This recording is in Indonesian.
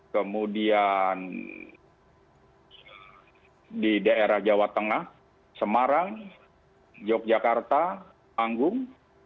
kemudian di daerah jawa tengah semarang yogyakarta panggung